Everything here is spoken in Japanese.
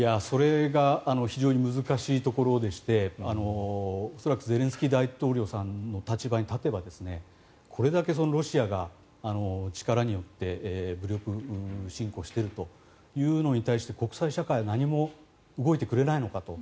それが非常に難しいところでして恐らくゼレンスキー大統領さんの立場に立てばこれだけロシアが力によって武力侵攻しているというのに対して国際社会は何も動いてくれないのか。